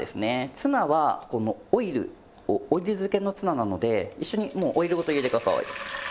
ツナはこのオイルをオイル漬けのツナなので一緒にもうオイルごと入れてください。